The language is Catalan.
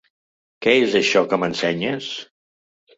Què és això que m’ensenyes?